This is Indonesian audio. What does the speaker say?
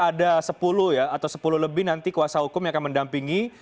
ada sepuluh ya atau sepuluh lebih nanti kuasa hukum yang akan mendampingi